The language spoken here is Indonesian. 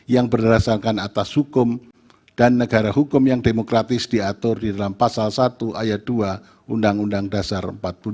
yang berdasarkan atas hukum dan negara hukum yang demokratis diatur di dalam pasal satu ayat dua undang undang dasar empat puluh lima